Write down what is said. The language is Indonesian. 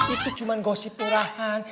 itu cuma gosip perahan